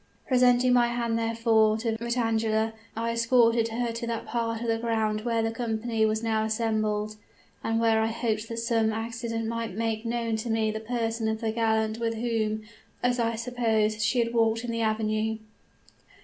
"Presenting my hand, therefore, to Vitangela, I escorted her to that part of the ground where the company were now assembled, and where I hoped that some accident might make known to me the person of the gallant with whom, as I supposed, she had walked in the avenue.